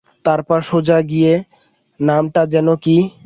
তারপর সোজা গিয়ে, নামটা যেন কি?